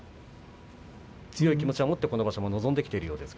強い気持ちを持ってこの場所を臨んできているようです。